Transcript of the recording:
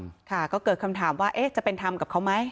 ค่ะก็เกิดคำถามว่าเอ๊ะจะเป็นธรรมกับเขาไหม